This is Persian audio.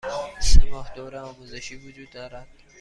سه ماه دوره آزمایشی وجود دارد.